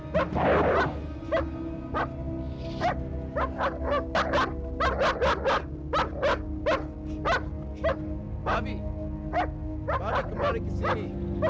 baby kembali ke sini